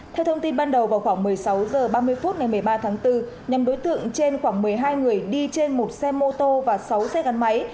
theo thông tin ban đầu vào khoảng một mươi sáu h ba mươi phút ngày một mươi ba tháng bốn nhằm đối tượng trên khoảng một mươi hai người đi trên một xe mô tô và sáu xe gắn máy